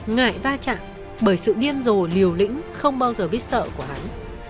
ngại va chạm bởi sự điên rồ liều lĩnh không bao giờ biết sợ của hắn